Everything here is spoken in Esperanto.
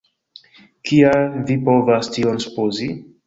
kial vi povas tion supozi?